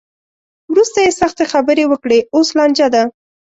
وروسته یې سختې خبرې وکړې؛ اوس لانجه ده.